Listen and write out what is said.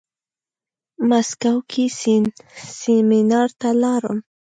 مسکو کې سيمينار ته لاړم.